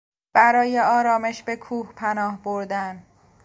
برای آرامش به کوه پناه بردن